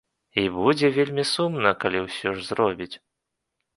І будзе вельмі сумна, калі ўсё ж зробіць.